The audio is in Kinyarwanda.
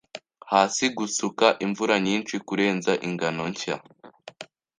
Hasi gusuka imvura nyinshi Kurenza ingano nshya